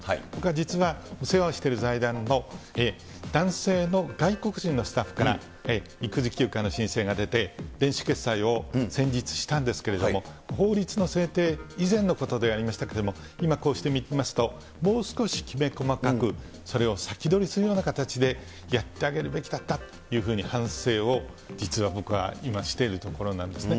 実はお世話をしてる財団の男性の外国人のスタッフから育児休暇の申請が出て、電子決裁を先日したんですけれども、法律の制定以前のことではありましたけれども、今、こうして見ますと、もう少しきめ細かくそれを先取りするような形でやってあげるべきだったというふうに反省を、実は僕は今しているところなんですね。